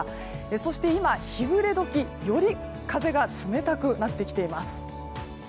そして今、日暮れ時より風が冷たくなってきています。